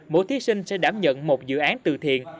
mỗi thí sinh sẽ đảm nhận một dự án từ thiện